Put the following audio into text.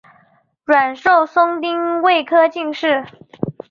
阮寿松丁未科进士。